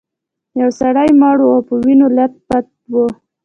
یو سړی مړ و او په وینو لیت پیت و.